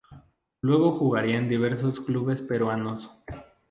Luego jugaría en diversos clubes peruanos.